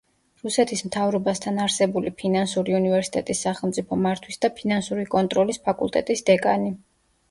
რუსეთის მთავრობასთან არსებული ფინანსური უნივერსიტეტის სახელმწიფო მართვის და ფინანსური კონტროლის ფაკულტეტის დეკანი.